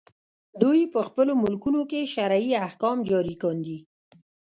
دوی په خپلو ملکونو کې شرعي احکام جاري کاندي.